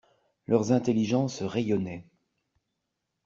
Leurs intelligences rayonnaient.